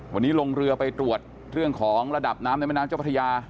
วันนี้ลงเรือไปตรวจเรื่องของระดับน้ำในแม่น้ำเจ้าพระยา